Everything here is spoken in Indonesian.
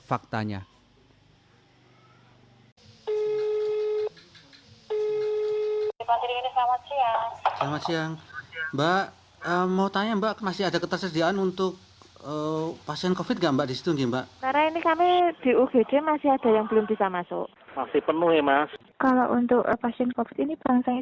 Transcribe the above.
faktanya hai dikotiri ini selamat siang selamat siang mbak mau tanya mbak apa yang kalian mau menanyakan